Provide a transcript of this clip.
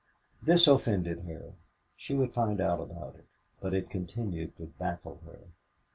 This offended her. She would find out about it. But it continued to baffle her.